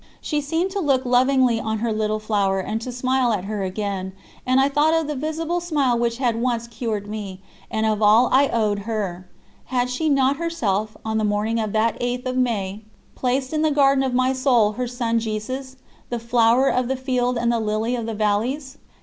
She seemed to look lovingly on her Little Flower and to smile at her again, and I thought of the visible smile which had once cured me, and of all I owed her. Had she not herself, on the morning of that 8th of May, placed in the garden of my soul her Son Jesus "the Flower of the field and the Lily of the valleys"?